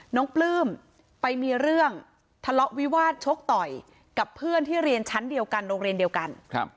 ปลื้มไปมีเรื่องทะเลาะวิวาสชกต่อยกับเพื่อนที่เรียนชั้นเดียวกันโรงเรียนเดียวกัน